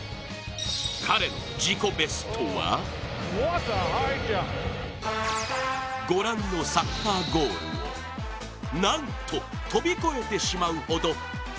彼の自己ベストはご覧のサッカーゴールをなんと、跳び越えてしまうほど。